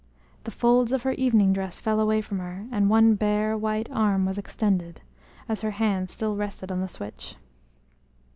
The folds of her evening dress fell away from her, and one bare, white arm was extended, as her hand still rested on the switch.